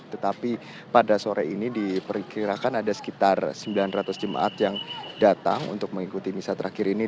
tetapi pada sore ini diperkirakan ada sekitar sembilan ratus jemaat yang datang untuk mengikuti misa terakhir ini